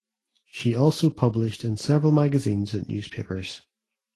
She also published in several magazines and newspapers.